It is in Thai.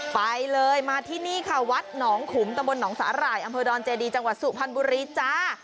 ไปเลยมาที่นี่ค่ะวัดหนองขุมตำบลหนองสาหร่ายอำเภอดอนเจดีจังหวัดสุพรรณบุรีจ้า